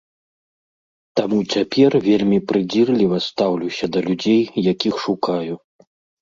Таму цяпер вельмі прыдзірліва стаўлюся да людзей, якіх шукаю.